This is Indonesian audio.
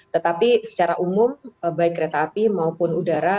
tetapi secara umum baik kereta api maupun udara